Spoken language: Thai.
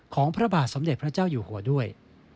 พระบาทสมเด็จพระเจ้าอยู่หัวด้วย